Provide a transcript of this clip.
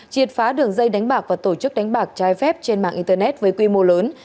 triệt phá đường dây đánh bạc và tổ chức đánh bạc trái phép trên mạng internet với quy mô lớn